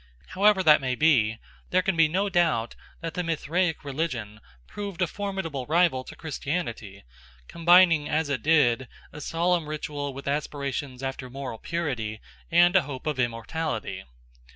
However that may be, there can be no doubt that the Mithraic religion proved a formidable rival to Christianity, combining as it did a solemn ritual with aspirations after moral purity and a hope of immortality.